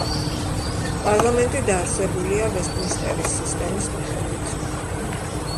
პარლამენტი დაარსებულია ვესტმინსტერის სისტემის მიხედვით.